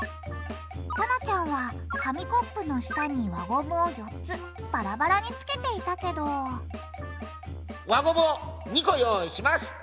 さなちゃんは紙コップの下に輪ゴムを４つバラバラにつけていたけど輪ゴムを２個用意します。